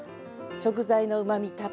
食材のうまみたっぷり。